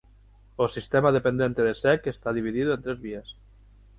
O sistema dependente de Sec está dividido en tres vías.